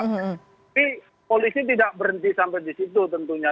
tapi polisi tidak berhenti sampai di situ tentunya